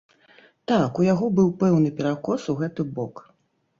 Так, у яго быў пэўны перакос у гэты бок.